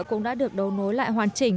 cũng đã được đổ nối lại hoàn chỉnh